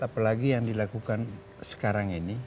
apalagi yang dilakukan sekarang ini